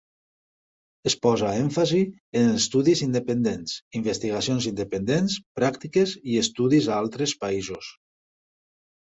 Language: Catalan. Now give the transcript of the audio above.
Es posa èmfasi en estudis independents, investigacions independents, pràctiques i estudis a altres països.